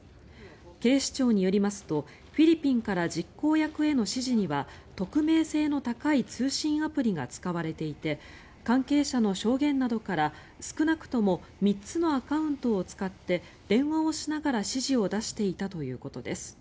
警視庁によりますとフィリピンから実行役への指示には匿名性の高い通信アプリが使われていて関係者の証言などから少なくとも３つのアカウントを使って電話をしながら指示を出していたということです。